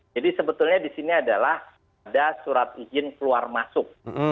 jadi sebetulnya di sini adalah ada surat izin keluar masuk